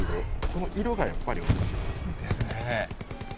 この色がやっぱり面白いですね。ですね。